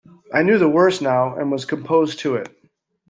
I knew the worst now and was composed to it.